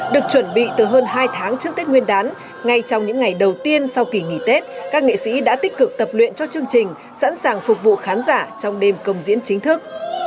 được chuẩn bị từ hơn hai tháng trước tết nguyên đán ngay trong những ngày đầu tiên sau kỳ nghỉ tết các nghệ sĩ đã tích cực tập luyện cho chương trình sẵn sàng phục vụ khán giả trong đêm công diễn chính thức